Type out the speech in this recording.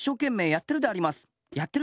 やってるであります。